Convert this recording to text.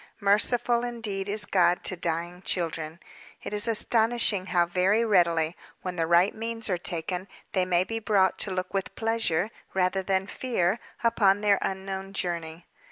Merciful, indeed, is God to dying children! It is astonishing how very readily, when the right means are taken, they may be brought to look with pleasure, rather than fear, upon their unknown journey.